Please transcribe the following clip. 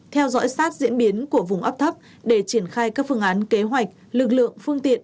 theo dõi sát diễn biến của vùng áp thấp để triển khai các phương án kế hoạch lực lượng phương tiện